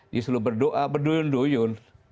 disuruh berdoa berduyun duyun